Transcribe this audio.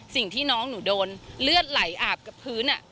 สิ่งที่น้องหนูโดนเลือดไหลอาบกับพื้น